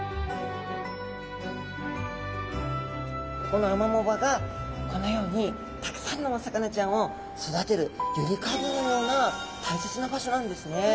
このアマモ場がこのようにたくさんのお魚ちゃんを育てるゆりかごのような大切な場所なんですね。